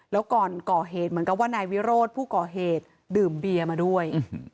แล้วก่อนก่อเหตุเหมือนกับว่านายวิโรธผู้ก่อเหตุดื่มเบียร์มาด้วย